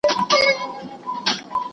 دین د یووالي سبب کیده.